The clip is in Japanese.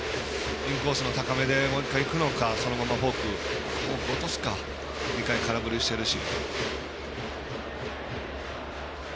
インコースの高めでもう１回いくのかフォークを落とすか２回空振りしてるし。